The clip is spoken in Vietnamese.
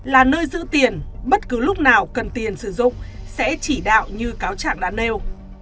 là nơi giữ tiền bất cứ lúc nào cần tiền sử dụng sẽ chỉ đạo như cáo trạng daniel